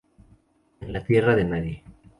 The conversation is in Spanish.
En la tierra de nadie.